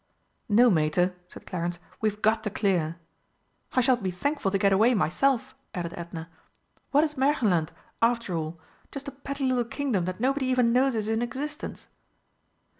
"No, Mater," said Clarence, "we've got to clear." "I shall be thankful to get away myself," added Edna. "What is Märchenland, after all? just a petty little Kingdom that nobody even knows is in existence!"